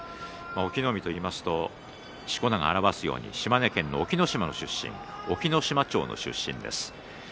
隠岐の海といいますとしこ名が表すように島根県の隠岐の島町の出身です。